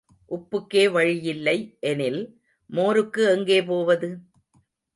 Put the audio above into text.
உப்புக்கே வழியில்லை எனில், மோருக்கு எங்கே போவது?